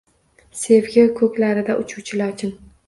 Sevgi ko’klarida uchuvchi lochin